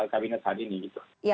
kabinet saat ini